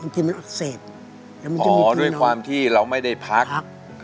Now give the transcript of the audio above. อย่างนี้มันไม่มีทีน้องหดผักอย่างมีทีน้องโอ้ด้วยความที่เราไม่ได้พัก